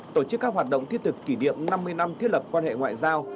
tổ chức các hoạt động thiết thực kỷ niệm năm mươi năm thiết lập quan hệ ngoại giao